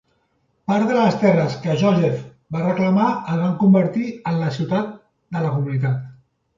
Part de les terres que Joseph va reclamar es van convertir en la ciutat de la comunitat.